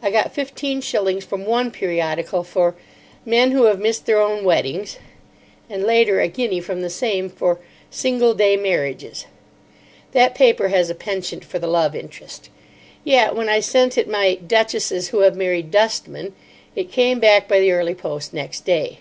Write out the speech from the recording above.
I got fifteen shillings from one periodical for "Men Who Have Missed Their Own Weddings," and, later, a guinea from the same for "Single Day Marriages." That paper has a penchant for the love interest. Yet when I sent it my "Duchesses Who Have Married Dustmen," it came back by the early post next day.